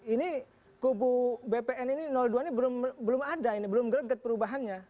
ini kubu bpn ini dua ini belum ada ini belum greget perubahannya